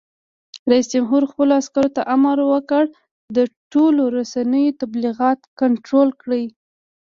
رئیس جمهور خپلو عسکرو ته امر وکړ؛ د ټولنیزو رسنیو تبلیغات کنټرول کړئ!